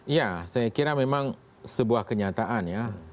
ya saya kira memang sebuah kenyataan ya